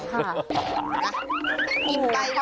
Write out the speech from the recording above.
ค่ะ